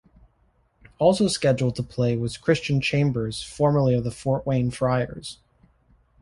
Also scheduled to play was Christian Chambers formerly of the Fort Wayne Friars.